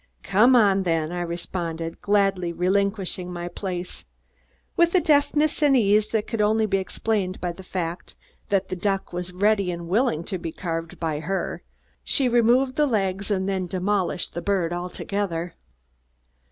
"Come on, then," I responded, gladly relinquishing my place. With a deftness and ease that could only be explained by the fact that the duck was ready and willing to be carved, she removed the legs and then demolished the bird altogether.